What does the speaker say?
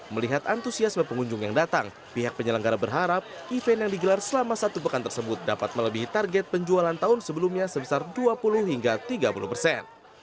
melihat antusiasme pengunjung yang datang pihak penyelenggara berharap event yang digelar selama satu pekan tersebut dapat melebihi target penjualan tahun sebelumnya sebesar dua puluh hingga tiga puluh persen